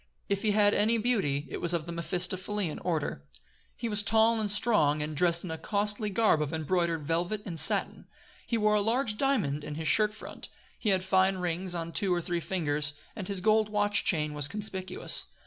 If he had any beauty it was of the Mephistophelean order. He was tall and strong, and dressed in a costly garb of embroidered velvet and satin. He wore a large diamond in his shirt front, he had fine rings on two or three fingers, and his gold watch chain was conspicuous.